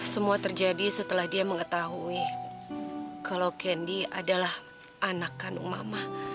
semua terjadi setelah dia mengetahui kalau kendi adalah anak kandung mama